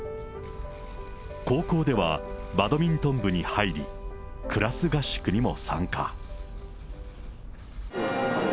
高校ではバドミントン部に入り、クラス合宿にも参加。